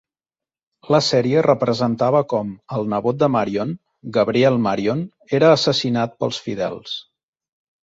La sèrie representava com, el nebot de Marion, Gabriel Marion, era assassinat pels fidels.